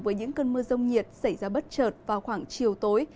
với những cơn mưa rông nhiệt xảy ra bất chợt vào khoảng chiều tối